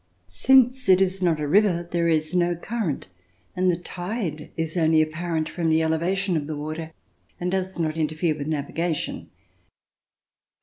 Since it Is not a river, there is no current, and the tide Is only apparent from the elevation of the water and does not Interfere with navigation.